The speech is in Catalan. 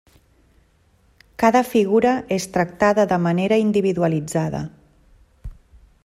Cada figura és tractada de manera individualitzada.